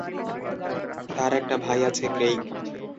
তার একটা ভাই আছে, ক্রেইগ।